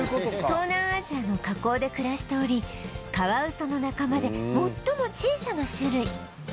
東南アジアの河口で暮らしておりカワウソの仲間で最も小さな種類